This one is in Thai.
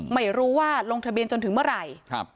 ไม่รู้ว่าลงทะเบียนจนถึงเมื่อไหร่